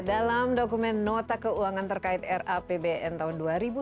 dalam dokumen nota keuangan terkait rapbn tahun dua ribu dua puluh